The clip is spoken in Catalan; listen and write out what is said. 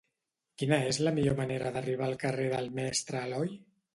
Quina és la millor manera d'arribar al carrer del Mestre Aloi?